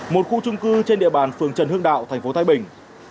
một khu trung cư trên địa bàn phường trần hương đạo tp thái bình